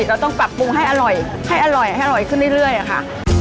เราต้องปรับปรุงให้อร่อยให้อร่อยให้อร่อยขึ้นเรื่อยค่ะ